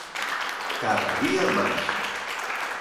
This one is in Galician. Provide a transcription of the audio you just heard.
Cada día máis.